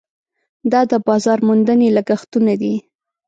دا د بازار موندنې لګښټونه دي.